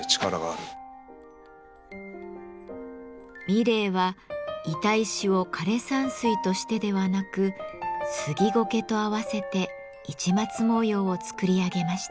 三玲は板石を枯れ山水としてではなく杉苔と合わせて市松模様を作り上げました。